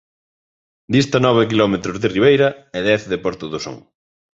Dista nove quilómetros de Ribeira e dez de Porto do Son.